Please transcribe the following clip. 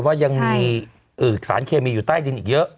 ว่ายังมีสารเคมีอยู่ใต้ดินอีกเยอะ